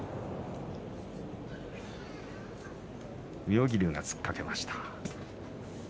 妙義龍が突っかけました。